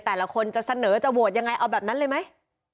แต่ละคนจะเสนอจะโหวตยังไงเอาแบบนั้นเลยไหม